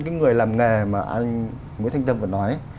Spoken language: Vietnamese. cái người làm nghề mà anh nguyễn thanh tâm vừa nói